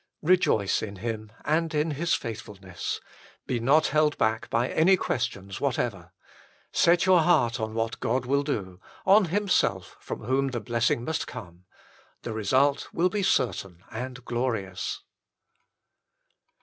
Rejoice in Him and in His faithfulness. Be not held back by any questions whatever. Set your heart on what God will do, on Himself from whom the blessing must come. The result will be certain and glorious.